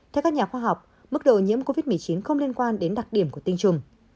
theo các nhà khoa học mức độ nhiễm covid một mươi chín không liên quan đến đặc điểm của tinh trùng